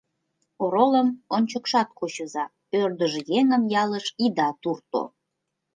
— Оролым ончыкшат кучыза, ӧрдыж еҥым ялыш ида турто.